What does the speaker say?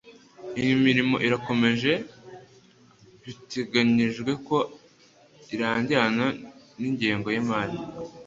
Imirimo irakomeje biteganijwe ko irangirana n ingengo y imari